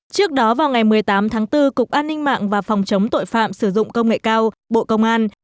trước đó vào ngày một mươi tám tháng bốn cục an ninh mạng và phòng chống tội phạm sử dụng công nghệ cao bộ công an